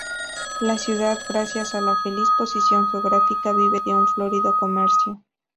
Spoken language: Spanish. La ciudad, gracias a la feliz posición geográfica, vive de un florido comercio.